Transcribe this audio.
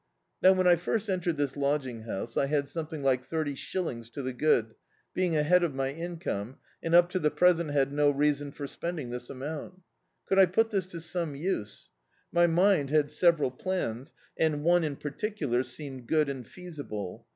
Now, when I first entered this lodging house, I had something like thirty shillings to the good, be ing ahead of my inccnne, and up to the present had no reason for spending this amount. Could I put this to some use? My mind had several plans, and <Hie in particular seemed good and feasible.